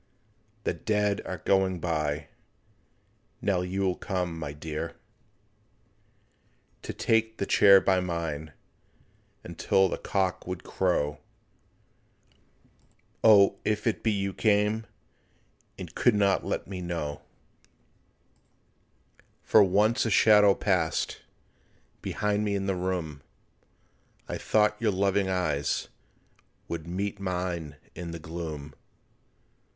The dead are going by, Now you will come, my dear, To take the chair by mine— Until the cock would crow— O, if it be you came And could not let me know, For once a shadow passed Behind me in the room, I thought your loving eyes Would meet mine in the gloom.